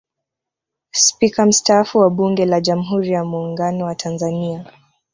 Spika mstaafu wa Bunge la Jamhuri ya Muungano wa Tanzania